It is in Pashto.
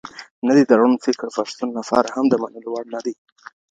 نه دي، د روڼفکره پښتنو لپاره هم د منلو وړ نه دي.